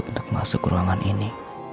untuk masuk ke ruangan ini